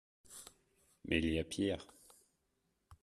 Mais il y a pire.